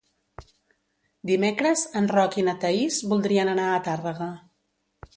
Dimecres en Roc i na Thaís voldrien anar a Tàrrega.